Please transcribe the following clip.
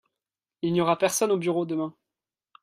Il n'y aura personne au bureau demain.